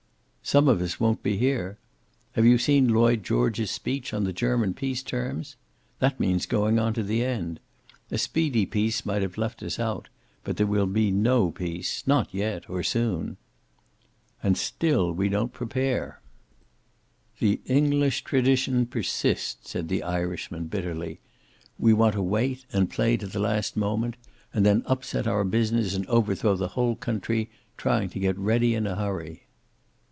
"Some of us won't be here. Have you seen Lloyd George's speech on the German peace terms? That means going on to the end. A speedy peace might have left us out, but there will be no peace. Not yet, or soon." "And still we don't prepare!" "The English tradition persists," said the Irishman, bitterly. "We want to wait, and play to the last moment, and then upset our business and overthrow the whole country, trying to get ready in a hurry.